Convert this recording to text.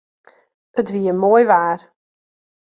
It wie moai waar.